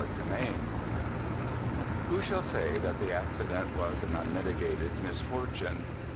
Who shall say that the accident was an unmitigated misfortune?